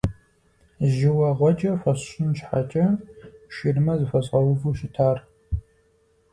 Жьыуэгъуэджэ хуэсщӀын щхьэкӀэ, ширмэ зыхуэзгъэуву щытар.